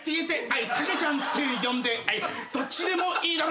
「はいタケちゃんって呼んではいどっちでもいいだろう」